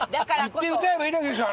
行って歌えばいいだけでしょ。